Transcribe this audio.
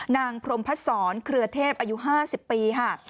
พรมพัดศรเครือเทพอายุ๕๐ปีค่ะ